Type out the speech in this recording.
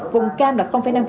vùng cam là năm